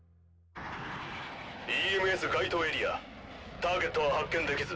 ＥＭＳ該当エリアターゲットは発見できず。